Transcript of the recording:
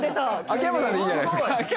秋山さんでいいんじゃないですか？